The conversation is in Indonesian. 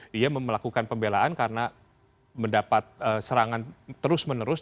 dia melakukan pembelaan karena mendapat serangan terus menerus